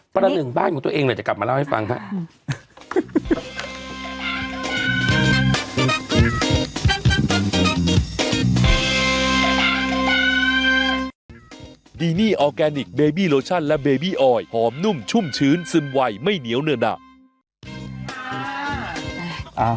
ประหนึ่งบ้านของตัวเองหน่อยจะกลับมาเล่าให้ฟังครับ